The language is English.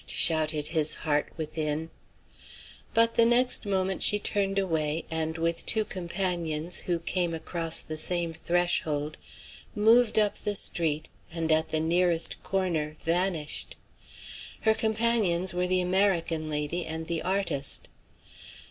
shouted his heart within: but the next moment she turned away, and with two companions who came across the same threshold, moved up the street, and, at the nearest corner, vanished. Her companions were the American lady and the artist.